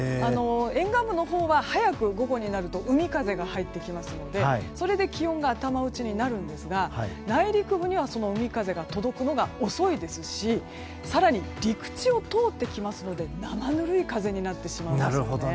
沿岸部のほうが早く午後になると海風が入ってきますのでそれで気温が頭打ちになるんですが内陸部にはその海風が届くのが遅いですし更に、陸地を通ってきますので生ぬるい風になってしまうんですよね。